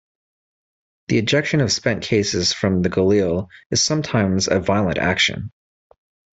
The ejection of spent cases from the Galil is sometimes a violent action.